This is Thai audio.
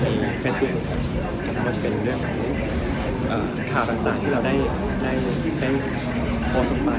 แต่ก็จะเป็นเรื่องขาวต่างที่เราได้โพสต์ส่งไป